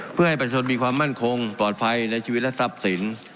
เพื่อให้ประชาชนมีความมั่นคงปลอดภัยในชีวิตและทรัพย์สิน